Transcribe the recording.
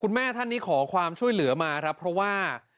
แม่ท่านนี้ขอความช่วยเหลือมาครับเพราะว่า